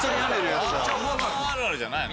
ターザンあるあるじゃないの？